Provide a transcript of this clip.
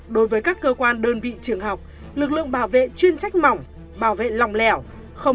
đối với các cơ quan đơn vị trường học lực lượng bảo vệ chuyên trách mỏng bảo vệ lòng lẻo